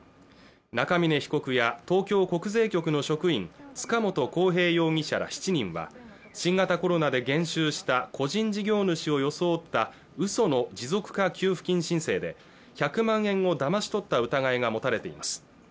中峯被告や東京国税局の職員塚本晃平容疑者ら７人は新型コロナで減収した個人事業主を装ったうその持続化給付金申請で１００万円をだまし取った疑いが持たれています